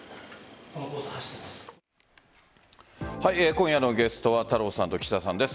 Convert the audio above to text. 今夜のゲストは太郎さんと岸田さんです。